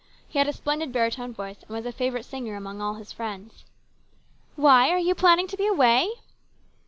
He had a splendid baritone voice, and was a favourite singer with all his friends. " Why, are you planning to be away